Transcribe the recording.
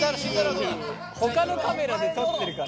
ほかのカメラで撮ってるから！